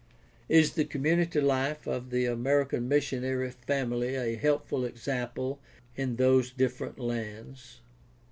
Is the community life of the American missionary family a helpful example in those different lands